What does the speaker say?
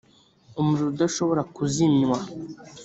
umuriro udashobora kuzimywa